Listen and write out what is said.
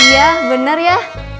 iya bener ya